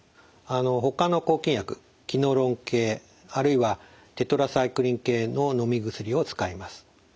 ほかの抗菌薬キノロン系あるいはテトラサイクリン系ののみ薬を使います。